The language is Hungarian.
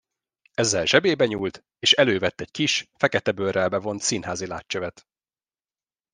Ezzel zsebébe nyúlt, és elővett egy kis, fekete bőrrel bevont színházi látcsövet.